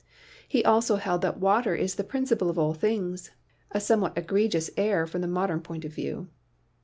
He also held that water is the principle of all things — a somewhat egregious error from the modern point of view.